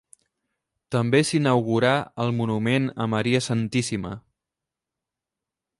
També s'inaugurà el monument a Maria Santíssima.